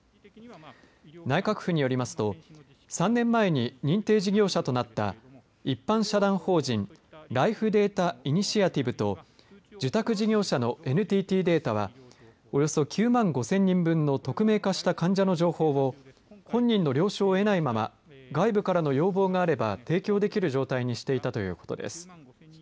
内閣府によりますと３年前に認定事業者となった一般社団法人ライフデータイニシアティブと受託事業者のＮＴＴデータはおよそ９万５０００人分の匿名化した患者の情報を本人の了承を得ないまま外部からの要望があれば提供できる状態にしていたということです。